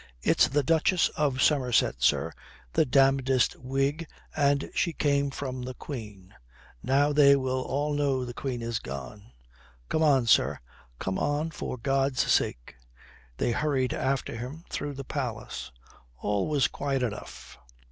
"It's the Duchess of Somerset, sir, the damnedest Whig, and she came from the Queen. Now they will all know the Queen is gone. Come on, sir, come on for God's sake." They hurried after him through the palace. All was quiet enough.